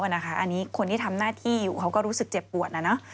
อันนี้คนที่ทำหน้าที่อยู่เขาก็รู้สึกเจ็บปวดนะเนอะ